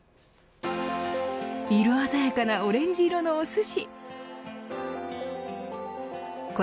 色鮮やかなオレンジ色のおすし。